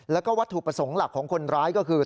แล้วก็วัตถุประสงค์หลักของคนร้ายก็คือ